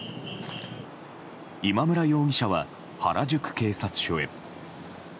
今村容疑者は原宿警察署へ。